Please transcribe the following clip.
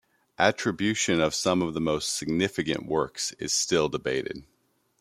Attribution of some of the most significant works is still debated.